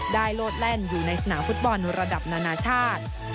โลดแล่นอยู่ในสนามฟุตบอลระดับนานาชาติ